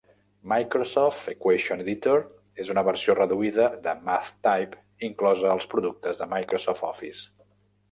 Microsoft Equation Editor és una versió reduïda de MathType inclosa als productes de Microsoft Office.